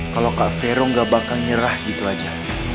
kalau kak vero gak bakal nyerah gitu aja